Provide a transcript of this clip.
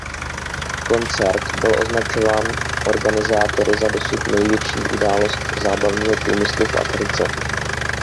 Koncert byl označován organizátory za dosud největší událost zábavního průmyslu v Africe.